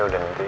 ya udah nanti